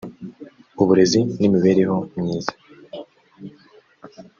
uburezi n’imibereho myiza